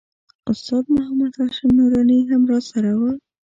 استاد محمد هاشم نوراني هم راسره و.